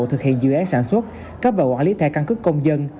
thực hiện dự án sản xuất cấp và quản lý thẻ căn cứ công dân